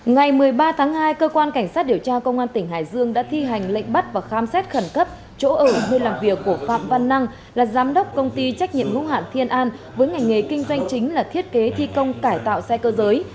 ngày một mươi ba tháng hai cơ quan cảnh sát điều tra công an tỉnh hải dương đã thi hành lệnh bắt và khám xét khẩn cấp chỗ ở nơi làm việc của phạm văn năng là giám đốc công ty trách nhiệm hữu hạn thiên an với ngành nghề kinh doanh chính là thiết kế thi công cải tạo xe cơ giới